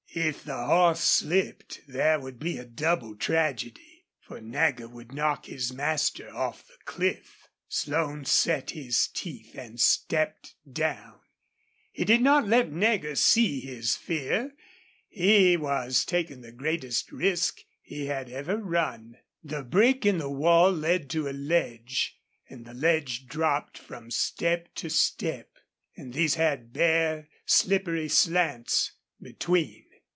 If the horse slipped there would be a double tragedy, for Nagger would knock his master off the cliff. Slone set his teeth and stepped down. He did not let Nagger see his fear. He was taking the greatest risk he had ever run. The break in the wall led to a ledge, and the ledge dropped from step to step, and these had bare, slippery slants between.